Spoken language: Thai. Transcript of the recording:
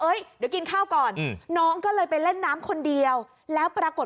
เดี๋ยวกินข้าวก่อนอืมน้องก็เลยไปเล่นน้ำคนเดียวแล้วปรากฏ